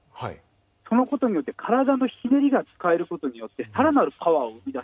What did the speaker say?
その事によって体のひねりが使える事によって更なるパワーを生み出してますね。